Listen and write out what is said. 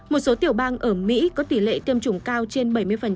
một số tiểu bang ở mỹ có tỷ lệ tiêm chủng cao trên bảy mươi